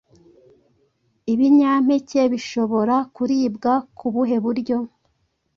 Ibinyampeke bishobora kuribwa ku buhe buryo?